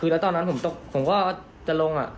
ดีตรงนั้นผมจะลง